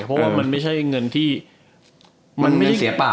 เพราะว่ามันไม่ใช่เงินที่